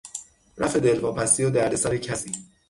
رفع دلواپسی و دردسر کسی